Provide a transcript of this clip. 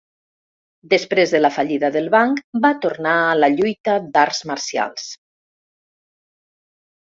Després de la fallida del banc va tornar a la lluita d'arts marcials.